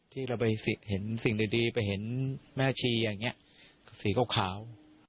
ที่เราไปเห็นสิ่งดีไปเห็นแม่ชีอย่างนี้สีขาว